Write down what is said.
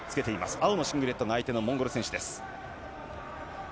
青のシングレットが相手のモンゴル選手です。